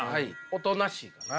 おとなしいかな。